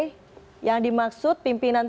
yang dimaksud pimpinan tinggi media adalah sekretaris